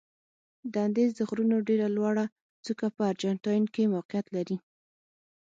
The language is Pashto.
د اندیز د غرونو ډېره لوړه څوکه په ارجنتاین کې موقعیت لري.